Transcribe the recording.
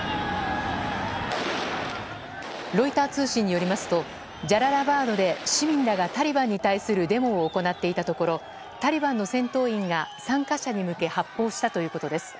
ロイター通信によりますとジャララバードで市民らがタリバンに対するデモを行っていたところタリバンの戦闘員が参加者に向け発砲したということです。